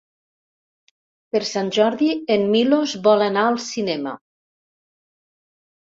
Per Sant Jordi en Milos vol anar al cinema.